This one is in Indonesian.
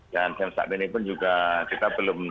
dan saat ini pun juga kita berpengalaman